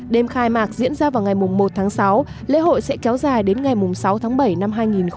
đêm khai mạc diễn ra vào ngày một tháng sáu lễ hội sẽ kéo dài đến ngày sáu tháng bảy năm hai nghìn hai mươi